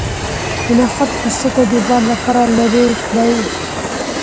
د نخود پوستکی د باد لپاره لرې کړئ